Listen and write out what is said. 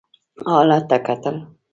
حالت ته کتل.